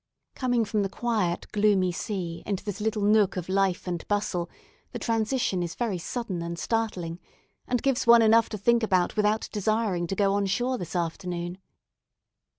Coming from the quiet gloomy sea into this little nook of life and bustle the transition is very sudden and startling, and gives one enough to think about without desiring to go on shore this afternoon.